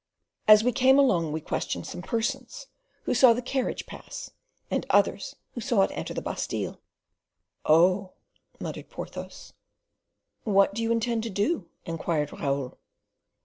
"As we came along we questioned some persons, who saw the carriage pass; and others who saw it enter the Bastile." "Oh!" muttered Porthos. "What do you intend to do?" inquired Raoul.